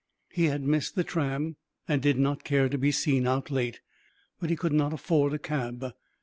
He had missed the tram, and did not care to be seen out late, but he could not afford a cab.